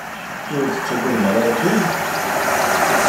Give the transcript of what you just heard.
Ur tettagadem ara Rebbi?